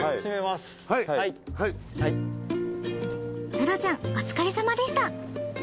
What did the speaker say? ウドちゃんお疲れさまでした。